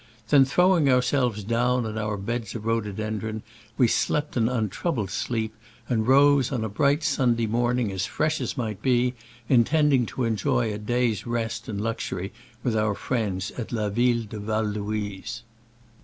Then throwing ourselves on our beds of rhododendron, we slept an untroubled sleep, and rose on a bright Sunday morning as fresh as might be, intending to enjoy a day's rest and luxury with our friends at La Ville de Val Louise.